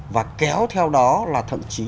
và kéo theo đó là thậm chí